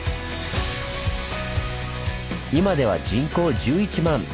今では人口１１万。